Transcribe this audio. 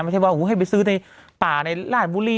ไม่ใช่ว่าให้ไปซื้อในป่าในราชบุรี